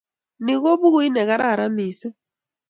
Ni ko pukuit ne kararan missing'.